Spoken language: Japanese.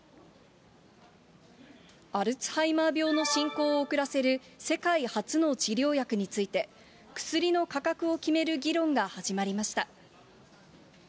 アルツハイマー病の進行を遅らせる、世界初の治療薬について、薬の価格を決める議論が始まりました。